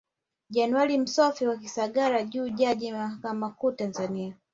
Januari Msofe wa Kisangara Juu Jaji wa mahakama kuu Tanzania